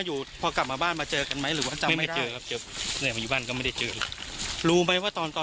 อยากจะขอโทษคำนั้น